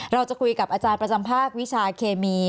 เราจะคุยกับอาจารย์ประจำภาควิชาเคมี